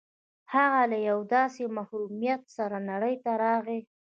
هغه له یوه داسې محرومیت سره نړۍ ته راغی